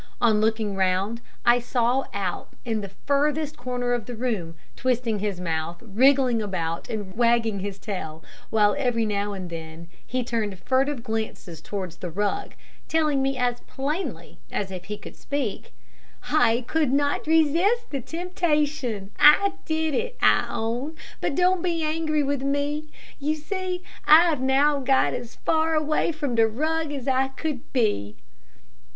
On looking round, I saw Alp in the furthest corner of the room, twisting his mouth, wriggling about, and wagging his tail, while every now and then he turned furtive glances towards the rug, telling me as plainly as if he could speak, "I could not resist the temptation I did it, I own but don't be angry with me. You see I have now got as far away from the rug as I could be."